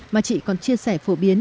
mà chị còn chia sẻ phổ biến